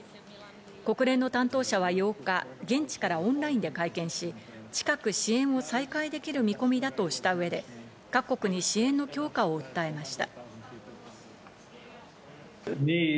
国連の担当者は８日、現地からオンラインで会見し、近く支援を再開できる見込みだとした上で各国に支援の強化を訴えました。